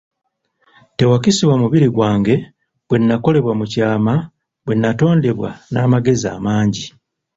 Tewakisibwa mubiri gwange, bwe nnakolebwa mu kyama, bwe nnatondebwa n'amagezi amangi.